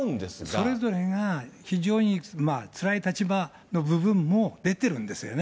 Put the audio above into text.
それぞれが非常につらい立場の部分も出てるんですよね。